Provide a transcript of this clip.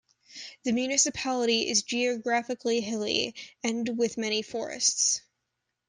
The municipality is geographically hilly and with many forests.